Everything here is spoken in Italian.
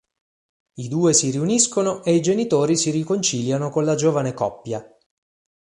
I due si riuniscono e i genitori si riconciliano con la giovane coppia.